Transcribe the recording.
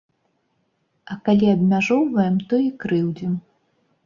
А калі абмяжоўваем, то і крыўдзім.